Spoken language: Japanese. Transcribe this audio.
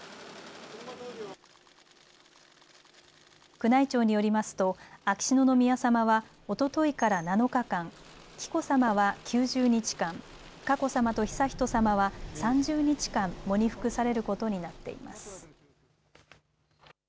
宮内庁によりますと秋篠宮さまはおとといから７日間、紀子さまは９０日間、佳子さまと悠仁さまは３０日間、喪に服されることになっています。